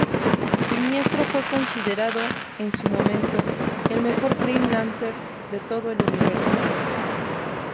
Sinestro fue considerado en su momento el "Mejor Green Lantern" de todo el universo.